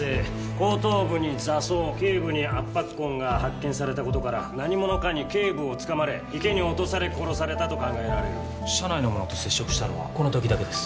後頭部に挫創頸部に圧迫痕が発見されたことから何者かに頸部をつかまれ池に落とされ殺されたと考えられる社内の者と接触したのはこの時だけです